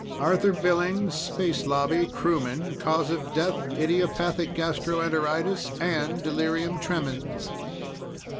"Arthur Billings. Space Lobby. Crewman. Cause of death, idiopathic gastroenteritis and delirium tremens."